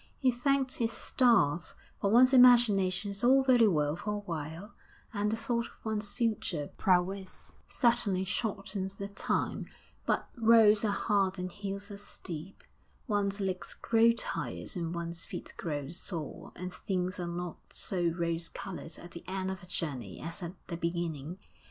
He thanked his stars, for one's imagination is all very well for a while, and the thought of one's future prowess certainly shortens the time; but roads are hard and hills are steep, one's legs grow tired and one's feet grow sore; and things are not so rose coloured at the end of a journey as at the beginning.